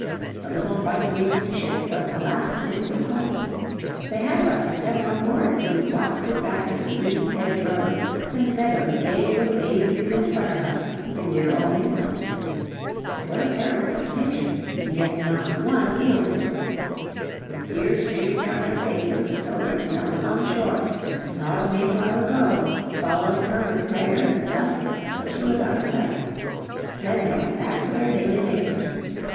The little white winged ship was the last link with home. They had but to step on board to be wafted back to the green hedgerows and meadows gay with daisies and buttercups in dear old England. It was a terrible temptation. Yet not one yielded to it. With tears streaming down their faces, the Pilgrims knelt upon the shore and saw the Mayflower go, following her with prayers and blessings until she was out of sight. Then they went back to their daily labours.